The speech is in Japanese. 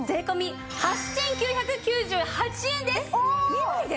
２枚で？